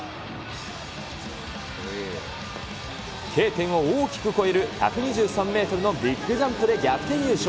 Ｋ点を大きく越える１２３メートルのビッグジャンプで逆転優勝。